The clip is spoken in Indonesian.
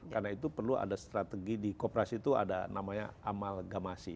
karena itu perlu ada strategi di kooperasi itu ada namanya amalgamasi